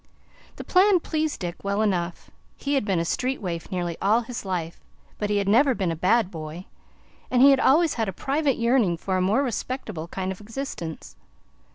The plan pleased Dick well enough. He had been a street waif nearly all his life, but he had never been a bad boy, and he had always had a private yearning for a more respectable kind of existence.